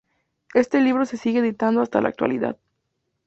Este libro se sigue editando hasta la actualidad.